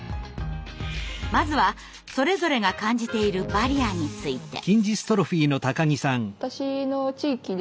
まずはそれぞれが感じているバリアについて。